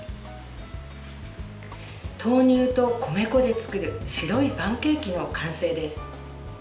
豆乳と米粉で作る白いパンケーキの完成です。